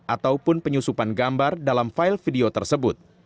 ataupun penyusupan gambar dalam file video tersebut